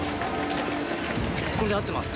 これで合ってます？